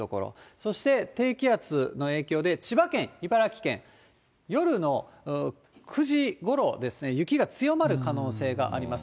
そして低気圧の影響で、千葉県、茨城県、夜の９時ごろですね、雪が強まる可能性があります。